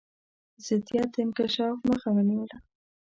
ضدیت د انکشاف مخه ونیوله.